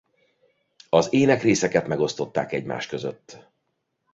Az ének részeket megosztották egymás között.